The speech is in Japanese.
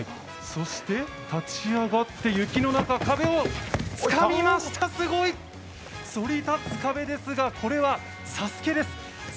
そして立ち上がって雪の中、壁をつかみました、すごい。そり立つ壁ですが、これは「ＳＡＳＵＫＥ」です。